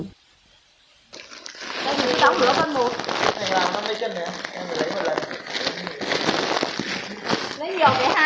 chỉ là thiết kiệm thuốc người dùng để l easy trồng sản phẩm